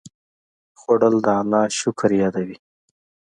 خوړل د الله شکر یادوي